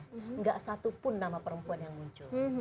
tidak satu pun nama perempuan yang muncul